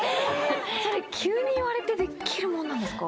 それ急に言われてできるもんなんですか？